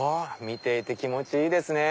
見ていて気持ちいいですね